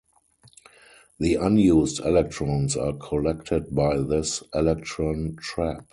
The unused electrons are collected by this electron trap.